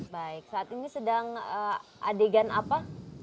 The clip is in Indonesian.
baik saat ini sedang adegan apa